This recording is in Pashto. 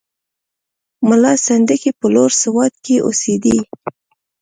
ملا سنډکی په لوړ سوات کې اوسېدی.